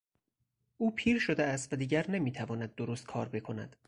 او پیر شده است و دیگر نمیتواند درست کار بکند.